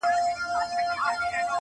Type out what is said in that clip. یار به ملا تړلی حوصلې د دل دل واغوندم.